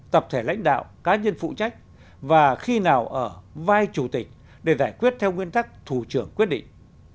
tập thể lãnh đạo cá nhân phụ trách và khi nào ở vai chủ tịch để giải quyết theo nguyên tắc thủ trưởng quyết định